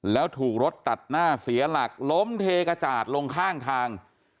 แล้วถูกรถตัดหน้าเสียหลักล้มเทกระจาดลงข้างทาง